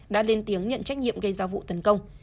đã lên tiếng nhận trách nhiệm gây ra vụ tấn công